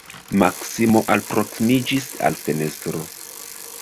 Maksimo alproksimiĝis al fenestro.